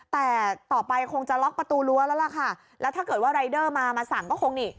แต่ต่อไปคงจะล็อกประตูรั้วแล้วล่ะค่ะแล้วถ้าเกิดว่ารายเดอร์มามาสั่งก็คงนี่